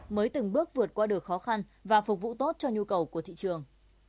mới từng bước vượt qua được khó khăn và phục vụ tốt cho nhu cầu của thị trường